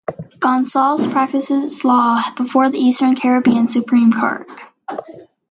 Gonsalves Practices Law Before The Eastern Caribbean Supreme Court.